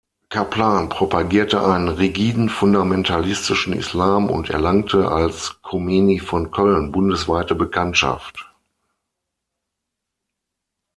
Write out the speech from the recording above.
Kaplan propagierte einen rigiden fundamentalistischen Islam und erlangte als „Chomeini von Köln“ bundesweite Bekanntschaft.